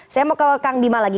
saya mau ke kang bima lagi